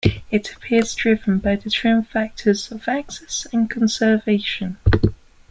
It appears driven by the twin factors of access and conservation.